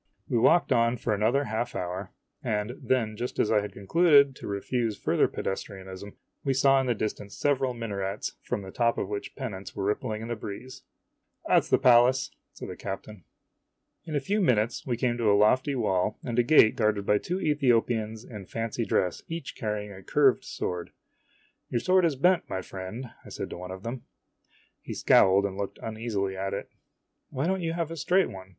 We walked on for another half hour, IMAGINOTIONS and then just as I had concluded to refuse further pedestrianism, we saw in the distance several minarets from the top of which pennants were rippling in the breeze. " That 's the Palace," said the captain. "WE CAME TO A GATE GUARDED BY TWO ETHIOPIANS IN FANCY DRESS." In a few minutes we came to a lofty wall, and a gate guarded by two Ethiopians in fancy dress, each carrying a curved sword. " Your sword is bent, my friend," I said to one of them. He scowled and looked uneasily at it. THE ASTROLOGER S NIECE MARRIES 99 " Why don't you have a straight one